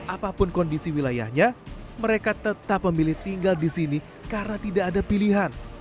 apapun kondisi wilayahnya mereka tetap memilih tinggal di sini karena tidak ada pilihan